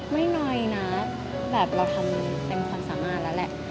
อย่างนี้แล้วก็เพิ่มความมั่นใจ